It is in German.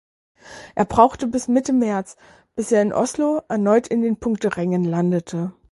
Er brauchte bis Mitte März, bis er in Oslo erneut in den Punkterängen landete.